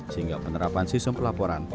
sehingga penerapan sistem pelaporan